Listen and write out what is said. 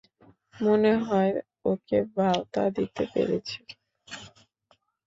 মনে হয় ওকে ভাঁওতা দিতে পেরেছি।